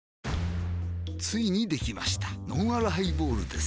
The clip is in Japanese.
ついにできましたのんあるハイボールです